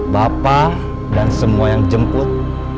bapak dan semua yang jemput